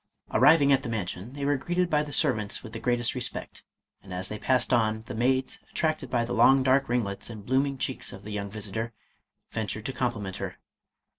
Arriving at the mansion, they were greeted bj the servants with the greatest respect, and as they passed on, the maids, attracted by the long dark ringlets and blooming cheeks of the young visitor, ventured to compliment her.